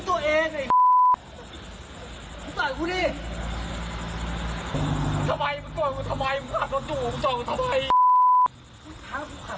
มึงจะรอให้ชิคกี้พายตายก่อนไง